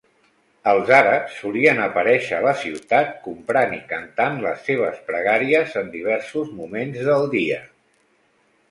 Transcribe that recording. Els àrabs solien aparèixer a la ciutat, comprant i cantant les seves pregàries en diversos moments del dia.